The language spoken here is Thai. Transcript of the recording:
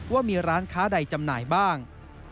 ว่ามีร้านค้าใดจำหน่ายบ้าง